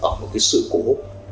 ở một cái sự cố hốc